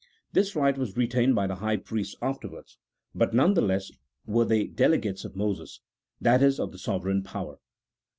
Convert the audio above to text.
This right was retained by the high priests afterwards, but none the less were they delegates of Moses — that is, of the sovereign power.